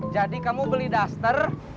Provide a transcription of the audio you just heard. jadi kamu beli duster